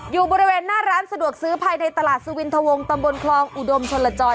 อยู่บริเวณหน้าร้านสะดวกซื้อภายในตลาดสุวินทวงตำบลคลองอุดมชนละจอย